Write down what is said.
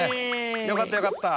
よかったよかった。